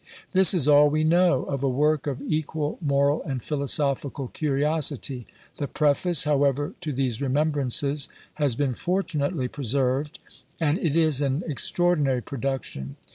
This is all we know of a work of equal moral and philosophical curiosity. The preface, however, to these "Remembrances," has been fortunately preserved, and it is an extraordinary production.